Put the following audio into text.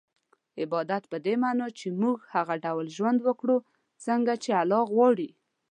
عبادت په دې مانا چي موږ هغه ډول ژوند وکړو څنګه چي الله غواړي